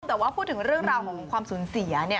แต่ว่าพูดถึงเรื่องราวของความสูญเสีย